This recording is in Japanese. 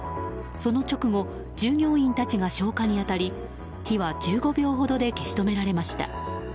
その直後従業員たちが消火に当たり火は１５秒ほどで消し止められました。